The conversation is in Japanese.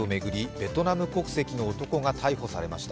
ベトナム国籍の男が逮捕されました。